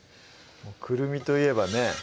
くるみといえばね